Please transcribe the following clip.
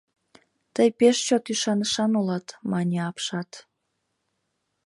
— Тый пеш чот ӱшанышан улат, - мане апшат.